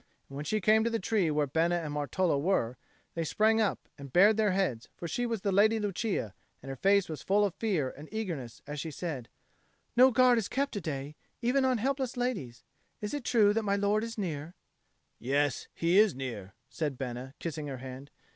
And when she came to the tree where Bena and Martolo were, they sprang up and bared their heads; for she was the Lady Lucia; and her face was full of fear and eagerness as she said, "No guard is kept to day, even on helpless ladies. Is it true that my lord is near?" "Yes, he is near," said Bena, kissing her hand.